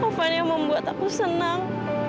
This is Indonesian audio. sofan yang membuat aku senang